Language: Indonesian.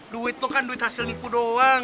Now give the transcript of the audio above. duit lu kan duit hasil nipu doang